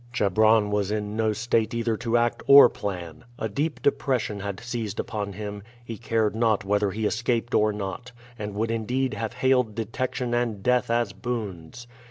Chebron was in no state either to act or plan. A deep depression had seized upon him; he cared not whether he escaped or not, and would indeed have hailed detection and death as boons.